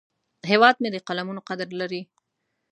هیواد مې د قلمونو قدر لري